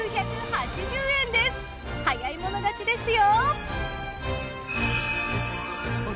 早い者勝ちですよ！